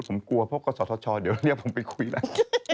ผมกลัวเพราะเขาสอดชอดเดี๋ยวเรียกผมไปคุยแหละ